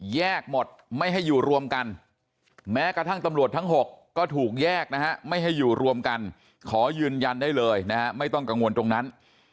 แยกหมดไม่ให้อยู่รวมกันแม้กระทั่งตำรวจทั้ง๖ก็ถูกแยกนะฮะไม่ให้อยู่รวมกันขอยืนยันได้เลยนะฮะไม่ต้องกังวลตรงนั้น